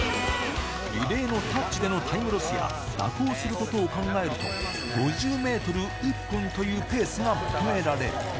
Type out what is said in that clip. リレーのタッチでのタイムロスや、蛇行することを考えると、５０メートル１分というペースが。